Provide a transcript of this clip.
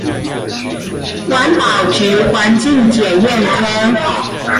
環保局環境檢驗科